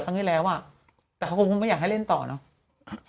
แต่เขาคงไม่อยากให้เล่นต่อเนอะ